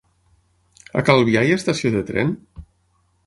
A Calvià hi ha estació de tren?